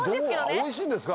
おいしいんですか？